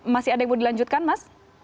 masih ada yang mau dilanjutkan mas